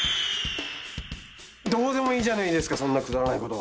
どうでもいいじゃないですかそんなくだらないこと。